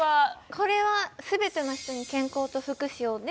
これは「すべての人に健康と福祉を」ね